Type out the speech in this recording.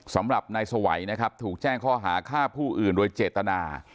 สำหรับนายสวัยนะครับถูกแจ้งข้อหาฆ่าผู้อื่นโดยเจตนา